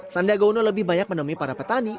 sandiaga uno lebih banyak menemui para petani